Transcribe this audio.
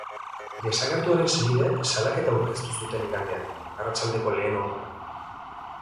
Desagertuaren senideek salaketa aurkeztu zuten igandean, arratsaldeko lehen orduan.